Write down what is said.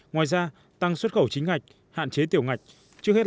ngoài ra tăng xuất khẩu chính ngạch hạn chế tiểu ngạch